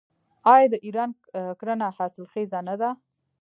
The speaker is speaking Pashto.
آیا د ایران کرنه حاصلخیزه نه ده؟